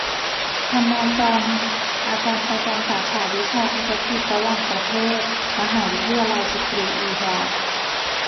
ฮันนา จ็อน อาจารย์ประจำสาขาวิชาธุรกิจระหว่างประเทศ มหาวิทยาลัยสตรีอีฮวา